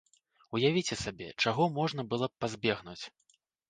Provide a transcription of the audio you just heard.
Уявіце сабе, чаго можна было б пазбегнуць.